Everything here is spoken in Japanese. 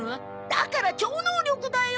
だから超能力だよ。